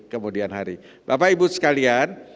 kemudian hari bapak ibu sekalian